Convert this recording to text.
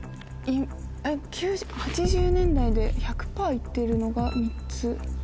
８０年代で１００パー行ってるのが３つ。